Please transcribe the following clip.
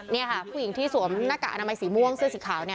นี่ค่ะผู้หญิงที่สวมหน้ากากอนามัยสีม่วงเสื้อสีขาวเนี่ย